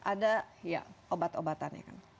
ada obat obatannya kan